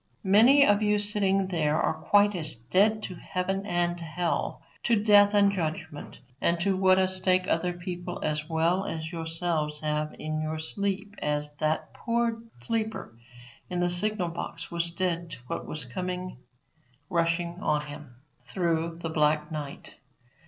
Many of you sitting there are quite as dead to heaven and hell, to death and judgment, and to what a stake other people as well as yourselves have in your sleep as that poor sleeper in the signal box was dead to what was coming rushing on him through the black night.